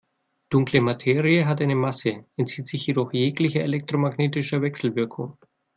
Dunkle Materie hat eine Masse, entzieht sich jedoch jeglicher elektromagnetischer Wechselwirkung.